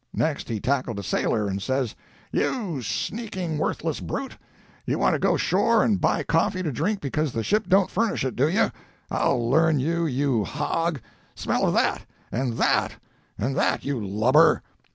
Next he tackled a sailor, and says: "'You sneaking worthless brute! You want to go shore and buy coffee to drink because the ship don't furnish it, do you! I'll learn you, you hog! Smell of that!—and that!—and that! you lubber!